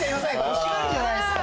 欲しがるじゃないですか。